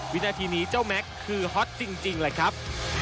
วินาทีนี้เจ้าแม็กซ์คือฮอตจริงเลยครับ